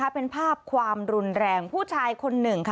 เป็นภาพความรุนแรงผู้ชายคนหนึ่งค่ะ